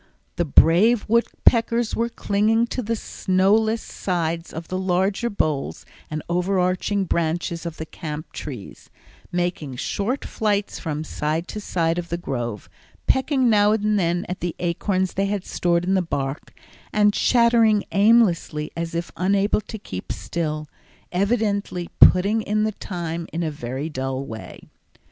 The brave woodpeckers were clinging to the snowless sides of the larger boles and overarching branches of the camp trees, making short flights from side to side of the grove, pecking now and then at the acorns they had stored in the bark, and chattering aimlessly as if unable to keep still, evidently putting in the time in a very dull way.